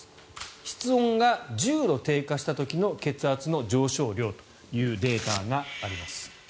室温が１０度低下した時の血圧の上昇量というデータがあります。